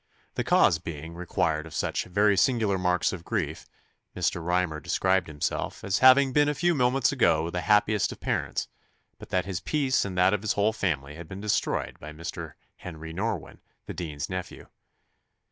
The cause being required of such "very singular marks of grief," Mr. Rymer described himself "as having been a few moments ago the happiest of parents; but that his peace and that of his whole family had been destroyed by Mr. Henry Norwynne, the dean's nephew."